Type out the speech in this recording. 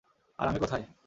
আর আমি কোথায়?